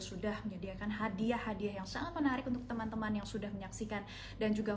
sudah menyediakan hadiah hadiah yang sangat menarik untuk teman teman yang sudah menyaksikan dan juga